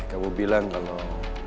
kamu bilang kalau